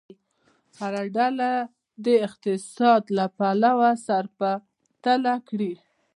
هره ډله دې اقتصاد له پلوه سره پرتله کړي.